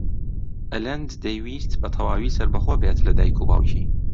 ئەلەند دەیویست بەتەواوی سەربەخۆ بێت لە دایک و باوکی.